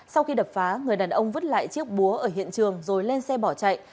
sau khi đập phá người đàn ông vứt lại chiếc búa ở hiện trường rồi lên xe bỏ chạy